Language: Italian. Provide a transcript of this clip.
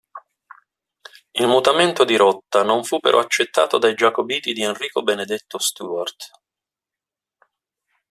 Il mutamento di rotta non fu però accettato dai giacobiti di Enrico Benedetto Stuart.